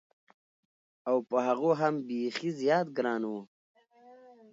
او په هغو هم بېخي زیات ګران و.